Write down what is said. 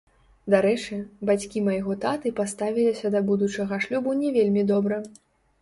Дарэчы, бацькі майго таты паставіліся да будучага шлюбу не вельмі добра.